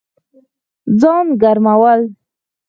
ځان ګرمول